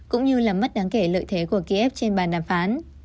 cũng như làm mất đáng kể lợi thế của kiev trên bàn đàm phán